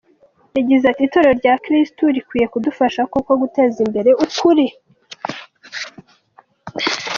Yagize ati “Itorero rya Kirisitu rikwiriye kudufasha koko guteza imbere ukuri.